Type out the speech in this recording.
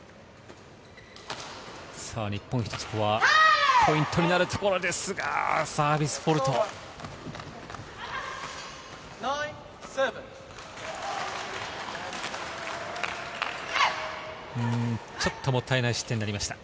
日本、ここはポイントになるところですが、サービスフォルト。ちょっともったいない失点になりました。